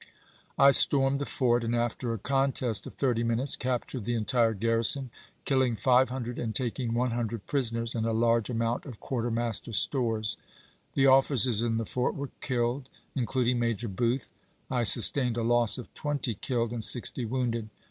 I stormed the fort, and after a contest of thirty minutes captured the entire garrison, killing five hundred and taking one hun jones. dred prisoners, and a large amount of quartermaster stores. ^J^ ci*erk'8 The officers in the fort were killed, including Major Booth, ^f^yf I sustained a loss of twenty killed and sixty wounded.